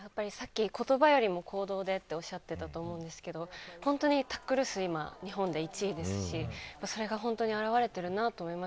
言葉よりも行動でとおっしゃってたと思うんですけれど、本当にタックル数、今、日本で１位ですし、それが本当に表れてるなと思います。